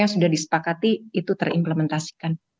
yang sudah disepakati itu terimplementasikan